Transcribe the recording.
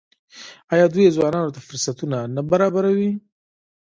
آیا دوی ځوانانو ته فرصتونه نه برابروي؟